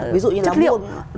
ví dụ như lá buông